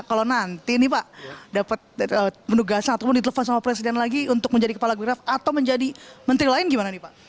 kalau nanti ini pak dapat mendugas atau ditelepas sama presiden lagi untuk menjadi kepala bekraf atau menjadi menteri lain bagaimana pak